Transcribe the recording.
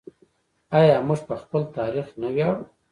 آیا موږ په خپل تاریخ نه ویاړو؟